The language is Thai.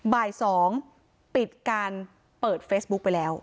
บ่าย๒ปิดการเปิดเฟซบุ๊กไปแล้ว